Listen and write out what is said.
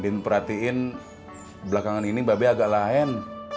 dim perhatiin belakangan ini mbak beh agak lahen